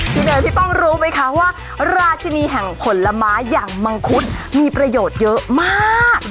เนยพี่ป้องรู้ไหมคะว่าราชินีแห่งผลไม้อย่างมังคุดมีประโยชน์เยอะมาก